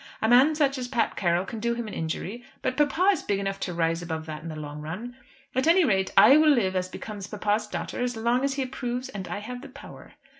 A man such as Pat Carroll can do him an injury, but papa is big enough to rise above that in the long run. At any rate I will live as becomes papa's daughter, as long as he approves and I have the power."